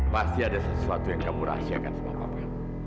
pasti ada sesuatu yang kamu rahasiakan sama kamu